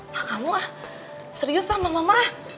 ma kamu ah serius sama mama ma